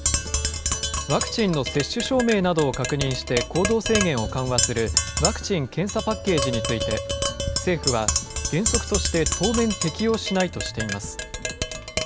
ワクチンの接種証明などを確認して行動制限を緩和するワクチン・検査パッケージについて、政府は、原則として当面適用しないとしています。